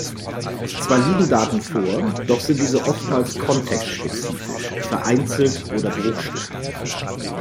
Zwar liegen Daten vor, doch sind diese oftmals kontextspezifisch, vereinzelt oder bruchstückhaft.